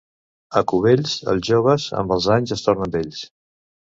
A Cubells, els joves, amb els anys es tornen vells.